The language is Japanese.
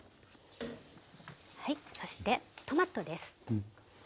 はいそしてトマトです。